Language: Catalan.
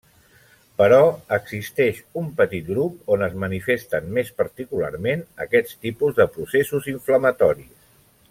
Però existeix un petit grup on es manifesten més particularment aquest tipus de processos inflamatoris.